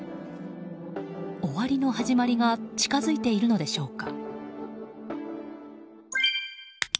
終わりの始まりが近づいているのでしょうか。